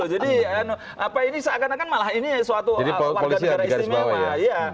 jadi ini seakan akan malah ini suatu warga negara istimewa